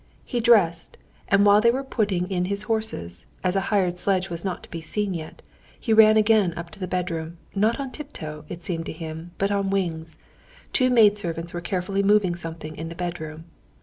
He dressed, and while they were putting in his horses, as a hired sledge was not to be seen yet, he ran again up to the bedroom, not on tiptoe, it seemed to him, but on wings. Two maid servants were carefully moving something in the bedroom.